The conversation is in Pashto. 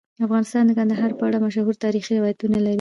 افغانستان د کندهار په اړه مشهور تاریخی روایتونه لري.